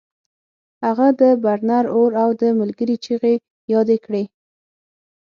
هغه د برنر اور او د ملګري چیغې یادې کړې